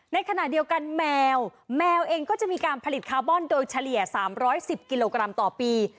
ในขณะเดียวกันแมวแมวเองก็จะมีการผลิตคาร์บอนโดยเฉลี่ย๓๑๐กิโลกรัมต่อปี